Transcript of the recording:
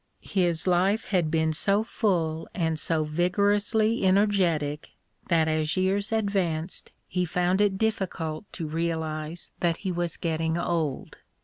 His life had been so full and so vigorously energetic that as years advanced he found it difficult to realise that he was getting old.